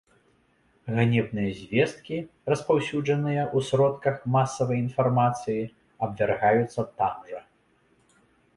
Ганебныя звесткі, распаўсюджаныя ў сродках масавай інфармацыі, абвяргаюцца там жа.